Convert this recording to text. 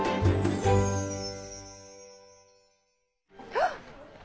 あっ！